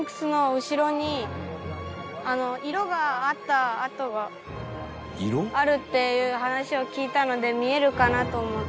色があった跡があるっていう話を聞いたので見えるかなと思って。